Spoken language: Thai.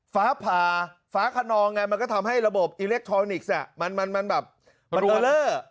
ฝาผาฝาคนอมันก็ทำให้ระบบอิเล็กทรอนิกส์มันเตลอร์